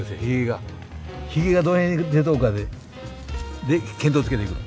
ひげがどの辺に出とるかでで見当をつけていく。